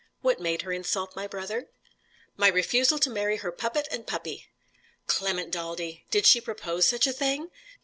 "What made her insult my brother?" "My refusal to marry her puppet and puppy." "Clement Daldy! Did she propose such a thing?